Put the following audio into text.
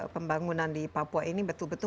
pembangunan di papua ini betul betul